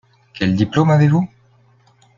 Quel diplôme avez-vous ?